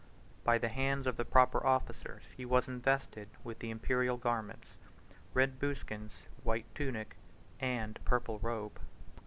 By the hands of the proper officers he was invested with the Imperial garments, the red buskins, white tunic, and purple robe.